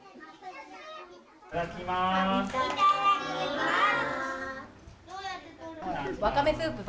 いただきます。